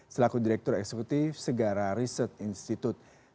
selaku direktur eksekutif segara riset institute